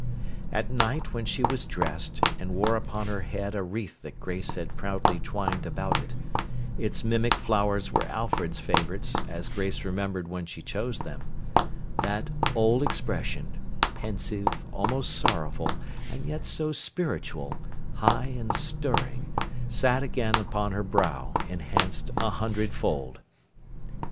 At night when she was dressed, and wore upon her head a wreath that Grace had proudly twined about it—its mimic flowers were Alfred's favourites, as Grace remembered when she chose them—that old expression, pensive, almost sorrowful, and yet so spiritual, high, and stirring, sat again upon her brow, enhanced a hundred fold.